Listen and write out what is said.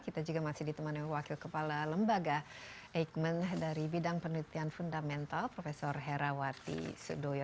kita juga masih ditemani wakil kepala lembaga eijkman dari bidang penelitian fundamental prof herawati sudoyo